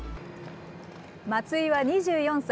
松井は２４歳。